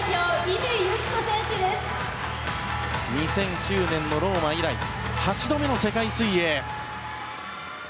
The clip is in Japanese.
２００９年のローマ以来８度目の世界水泳。